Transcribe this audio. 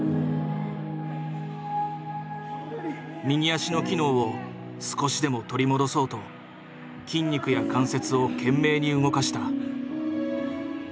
右足の機能を少しでも取り戻そうと筋肉や関節を懸命に動かした。